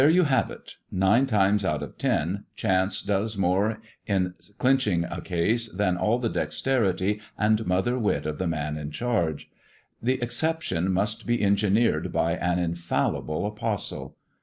There ve it ! Nine times out of ten, Chance does more in ng a case than all the dexterity and mother wit of n in charge. The exception must be engineered by kllible apostle.